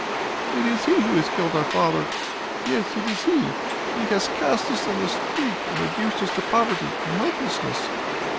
"It is he who has killed our father. Yes, it is he. He has cast us on the street and reduced us to poverty and helplessness."